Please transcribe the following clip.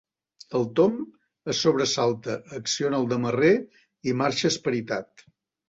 El Tom es sobresalta, acciona el demarrer i marxa esperitat.